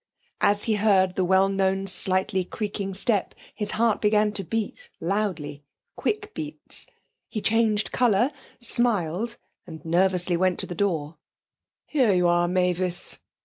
As he heard the well known slightly creaking step, his heart began to beat loudly quick beats. He changed colour, smiled, and nervously went to the door. 'Here you are, Mavis!'